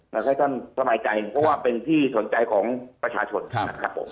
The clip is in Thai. อยากให้ท่านสบายใจเพราะว่าเป็นที่สนใจของประชาชนนะครับผม